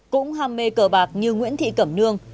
cũng ham mê cờ bạc như nguyễn thị cẩm nương